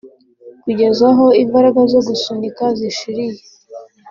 kugeza aho imbaraga zo gusunika zishiriye